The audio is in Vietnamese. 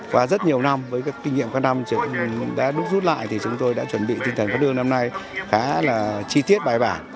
qua rất nhiều năm với kinh nghiệm các năm đã đúc rút lại thì chúng tôi đã chuẩn bị tinh thần phát lương năm nay khá là chi tiết bài bản